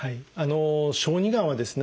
小児がんはですね